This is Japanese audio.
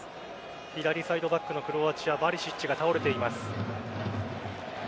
左サイドバックのクロアチアバリシッチが倒れています。